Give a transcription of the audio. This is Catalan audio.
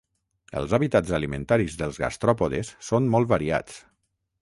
Els hàbitats alimentaris dels gastròpodes són molt variats.